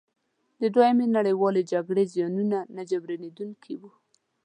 د دویمې نړیوالې جګړې زیانونه نه جبرانیدونکي وو.